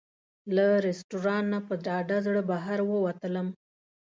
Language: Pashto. له رسټورانټ نه په ډاډه زړه بهر ووتلم.